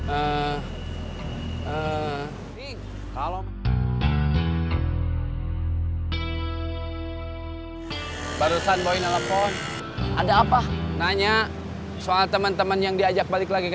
eh kalau barusan bawain telepon ada apa nanya soal teman teman yang diajak balik lagi ke